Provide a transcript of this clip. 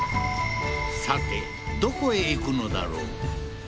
さてどこへ行くのだろう？